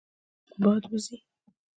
باد وزي.